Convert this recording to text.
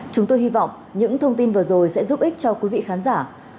chúng tôi hy vọng những thông tin vừa rồi sẽ giúp ích cho quý vị khán giả